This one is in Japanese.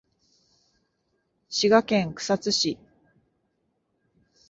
滋賀県草津市